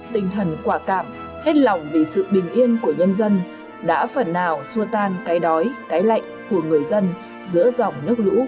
tinh thần quả cảm hết lòng vì sự bình yên của nhân dân đã phần nào xua tan cái đói cái lạnh của người dân giữa dòng nước lũ